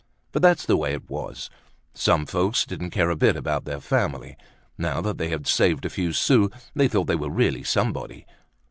But, that's the way it was; some folks didn't care a bit about their family. Now that they had saved a few sous, they thought they were really somebody.